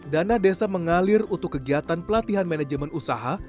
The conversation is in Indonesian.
dana desa mengalir untuk kegiatan pelatihan manajemen usaha